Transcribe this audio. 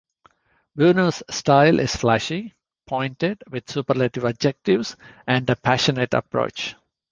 Bueno's style is flashy, pointed with superlative adjectives, and a passionate approach.